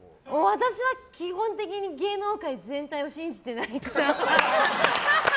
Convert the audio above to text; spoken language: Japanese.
私は基本的に芸能界全体を信じてないから。